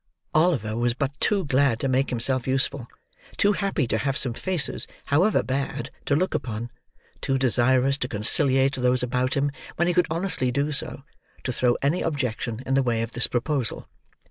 Oliver was but too glad to make himself useful; too happy to have some faces, however bad, to look upon; too desirous to conciliate those about him when he could honestly do so; to throw any objection in the way of this proposal.